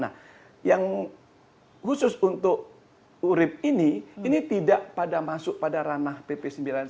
nah yang khusus untuk urib ini ini tidak pada masuk pada ranah pp sembilan puluh sembilan